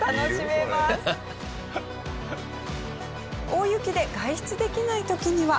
大雪で外出できない時には。